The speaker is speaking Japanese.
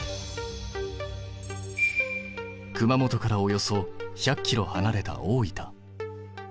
熊本からおよそ１００ｋｍはなれた大分。